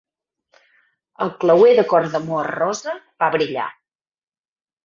El clauer de cor d'amor rosa va brillar.